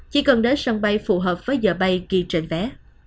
chỉ cần đến sân bay phù hợp với giờ bay ghi trên vé